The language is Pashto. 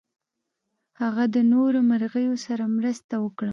هغه د نورو مرغیو سره مرسته وکړه.